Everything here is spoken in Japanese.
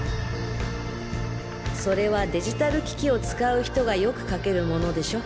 それはデジタル機器を使う人がよくかける物でしょ。